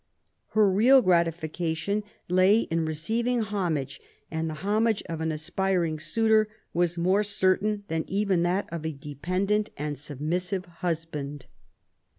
Her real grati fication lay in receiving homage ; and the homage of an aspiring suitor was more certain than even that of a dependent and submissive husband.